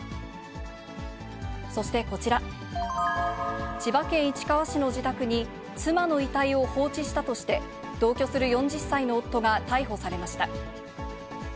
そしてこちら、千葉県市川市の自宅に妻の遺体を放置したとして、同居する４０歳の夫が逮捕されました。